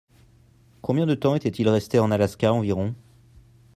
Combien de temps était-il resté en Alaska environ ?